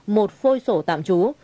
một phôi sổ tạm trú